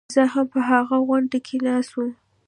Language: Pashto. زه هم په هغه غونډه کې ناست وم.